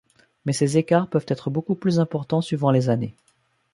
Mais ces écarts peuvent être beaucoup plus importants suivant les années.